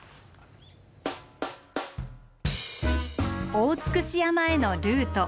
大尽山へのルート。